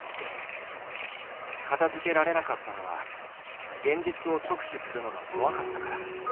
片づけられなかったのは現実を直視するのが怖かったから。